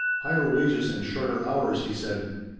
"Higher wages and shorter hours," he said.